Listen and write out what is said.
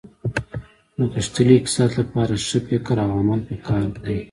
د غښتلي اقتصاد لپاره ښه فکر او عمل په کار دي